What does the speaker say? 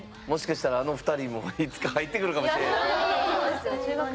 もしかしたらあの２人もいつか入ってくるかもしれへん。